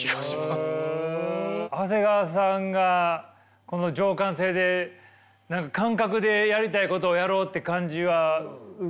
長谷川さんがこの情感性で何か感覚でやりたいことをやろうって感じは受け取れました。